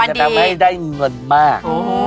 จะทำให้ได้เงินมาก